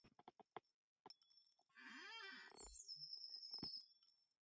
دوی د اکتشافي چارو لپاره میتابالنډ او مشونالند ته ورغلل.